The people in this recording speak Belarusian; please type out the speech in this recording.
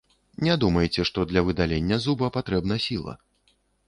Не думайце, што для выдалення зуба патрэбна сіла.